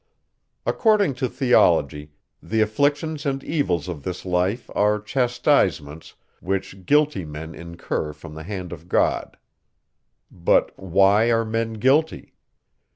According to theology, the afflictions and evils of this life are chastisements, which guilty men incur from the hand of God. But why are men guilty?